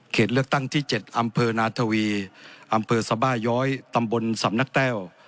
เลือกตั้งที่๗อำเภอนาทวีอำเภอสบาย้อยตำบลสำนักแต้ว